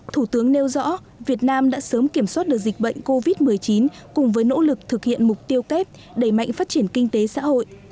thủ tướng nêu rõ việt nam đã sớm kiểm soát được dịch bệnh covid một mươi chín cùng với nỗ lực thực hiện mục tiêu kép đẩy mạnh phát triển kinh tế xã hội